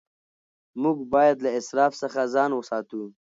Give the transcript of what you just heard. موږ باید له اسراف څخه ځان وساتو.